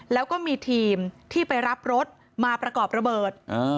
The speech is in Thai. แล้วก็มีทีมที่ไปรับรถมาประกอบระเบิด